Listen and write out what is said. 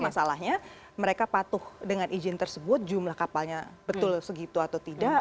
masalahnya mereka patuh dengan izin tersebut jumlah kapalnya betul segitu atau tidak